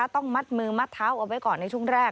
ต้องมัดมือมัดเท้าเอาไว้ก่อนในช่วงแรก